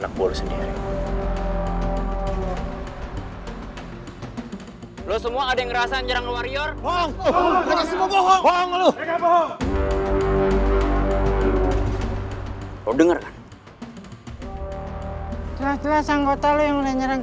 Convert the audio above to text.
kalian gak pilih aja orangnya